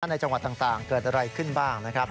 ในจังหวัดต่างเกิดอะไรขึ้นบ้างนะครับ